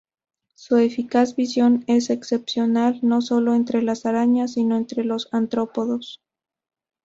Su eficaz visión es excepcional no sólo entre las arañas, sino entre los artrópodos.